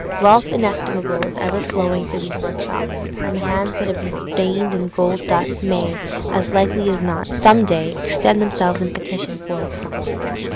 Wealth inestimable is ever flowing through these workshops, and the hands that have been stained with gold dust may, as likely as not, some day extend themselves in petition for a crust.